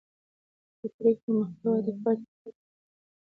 د پرېکړو محتوا د پایلې ټاکونکې ده